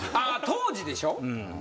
当時でしょ？